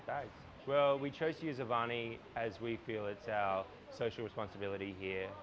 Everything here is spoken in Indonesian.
kami memilih menggunakan avani karena kami merasa ini adalah tanggung jawab kita